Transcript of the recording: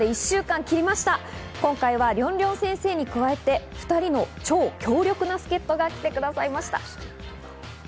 今回はりょんりょん先生に加えて２人の超強力な助っ人が来てくださいました。